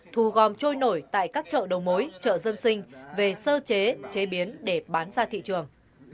thu gom trôi nổi tại các chợ đầu mối chợ dân sinh về sơ chế chế biến để bán ra thị trường